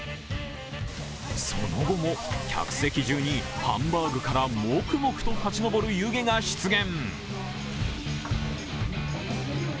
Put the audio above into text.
その後も、客席中にハンバーグからもくもくと立ち上る湯気が出現。